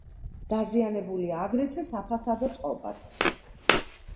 დაზიანებულია აგრეთვე საფასადო წყობაც.